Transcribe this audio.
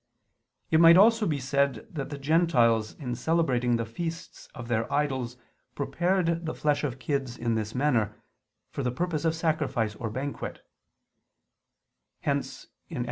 It might also be said that the Gentiles in celebrating the feasts of their idols prepared the flesh of kids in this manner, for the purpose of sacrifice or banquet: hence (Ex.